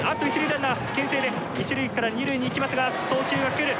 ランナーけん制で一塁から二塁に行きますが送球が来る。